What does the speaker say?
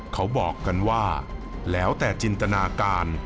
เขาบอกกันว่าแล้วแต่จินตนาการ